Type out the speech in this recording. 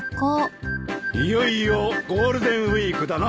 いよいよゴールデンウィークだな。